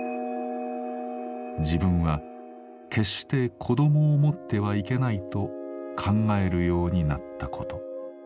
自分は決して子どもを持ってはいけないと考えるようになったこと。